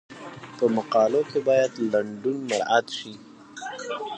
په مقالو کې باید لنډون مراعات شي.